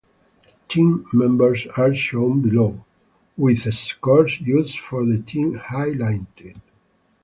Team members are shown below, with scores used for the team highlighted.